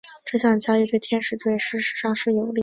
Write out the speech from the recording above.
这项交易对天使队事实上是有利的。